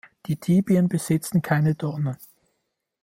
Die Tibien besitzen keine Dornen.